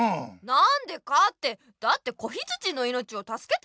なんでかってだって子ヒツジのいのちをたすけてあげたんだよ！